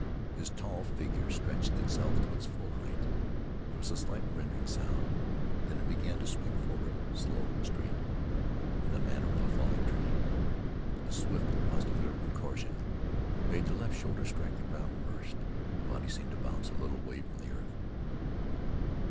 His tall figure stretched itself to its full height. There was a slight rending sound. Then it began to swing forward, slow and straight, in the manner of a falling tree. A swift muscular contortion made the left shoulder strike the ground first. The body seemed to bounce a little way from the earth.